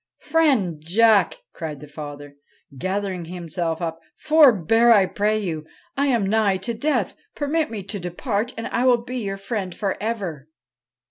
' Friend Jack !' cried the Friar, gathering himself up, ' forbear, I pray you. I am nigh to death. Permit me to depart and I will be your friend for ever.'